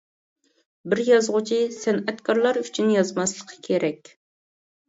بىر يازغۇچى، سەنئەتكارلار ئۈچۈن يازماسلىقى كېرەك.